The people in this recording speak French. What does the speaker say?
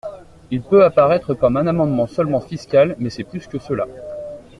Il peut apparaître comme un amendement seulement fiscal, mais c’est plus que cela.